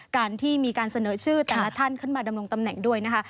การที่มีการเสนอชื่อแต่ละท่านขึ้นมาดำรงตำแหน่งด้วยนะคะ